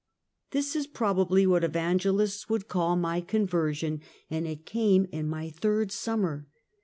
This is probably what evangelists would call my conversion, and it came in my third summer.